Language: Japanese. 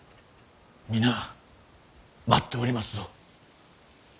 皆待っておりますぞ。